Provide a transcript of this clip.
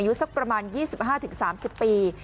อยู่สัก๒๕ถึง๓๐ปี